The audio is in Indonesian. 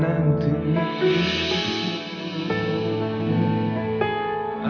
aku masih yakin